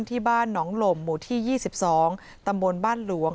ที่บ้านหนองหล่มหมู่ที่๒๒ตำบลบ้านหลวง